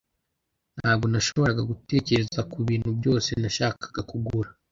Ntabwo nashoboraga gutekereza kubintu byose nashakaga kugura.